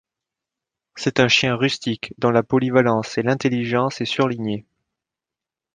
C'est un chien rustique dont la polyvalence et l'intelligence est surlignée.